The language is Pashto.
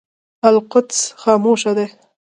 القدس خاموشه دی.